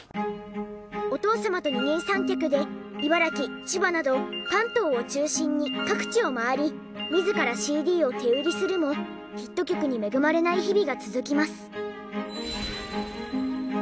お父様と二人三脚で茨城千葉など関東を中心に各地を回り自らＣＤを手売りするもヒット曲に恵まれない日々が続きます。